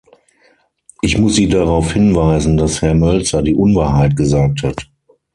Ich muss Sie darauf hinweisen, dass Herr Mölzer die Unwahrheit gesagt hat.